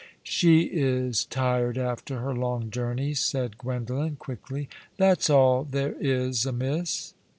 " She is tired after her long journey," said Gwendolen, quickly. " That's all there is amiss.'